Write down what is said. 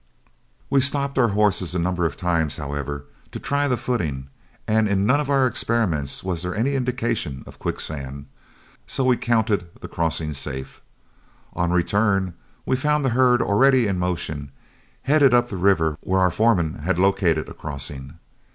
We stopped our horses a number of times, however, to try the footing, and in none of our experiments was there any indication of quicksand, so we counted the crossing safe. On our return we found the herd already in motion, headed up the river where our foreman had located a crossing.